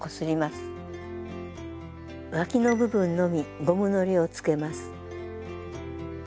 わきの部分のみゴムのりをつけます。